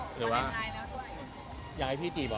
หรือว่าอยากให้พี่จีบอก